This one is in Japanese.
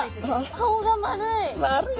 顔が丸い。